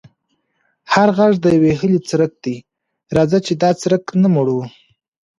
هر غږ د یوې هیلې څرک دی، راځه چې دا څرک نه مړوو.